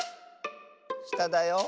しただよ。